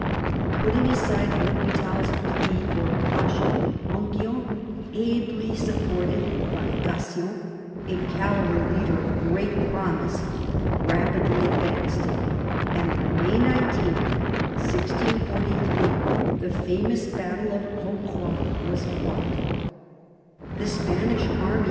Putting aside I'Hdpitars plea for caution, Enghien, ably supported by Gassion, a cavalry leader of great promise, rapidly advanced, and on May 19, 1643, the famous battle of Rocroi was fought. The Spanish army